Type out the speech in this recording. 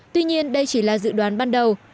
tuy nhiên đây chỉ là dự đoán ban đầu